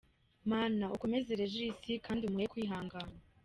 Mana ukomeze Regis kandi umuhe kwihangana.